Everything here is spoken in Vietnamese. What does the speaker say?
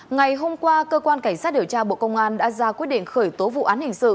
ngày hôm qua cơ quan cảnh sát điều tra bộ công an đã ra quyết định khởi tố vụ án hình sự